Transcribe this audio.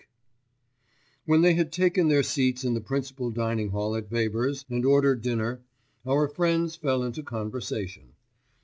When they had taken their seats in the principal dining hall at Weber's, and ordered dinner, our friends fell into conversation.